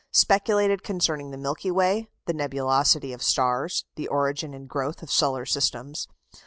Speculated concerning the Milky Way, the nebulosity of stars, the origin and growth of solar systems.